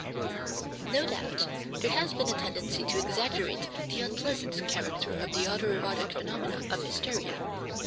No doubt there has been a tendency to exaggerate the unpleasant character of the auto erotic phenomena of hysteria.